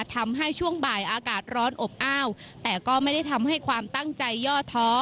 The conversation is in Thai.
ช่วงบ่ายอากาศร้อนอบอ้าวแต่ก็ไม่ได้ทำให้ความตั้งใจย่อท้อ